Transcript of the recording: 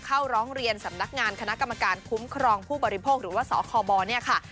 ร้องเรียนสำนักงานคณะกรรมการคุ้มครองผู้บริโภคหรือว่าสคบเนี่ยค่ะ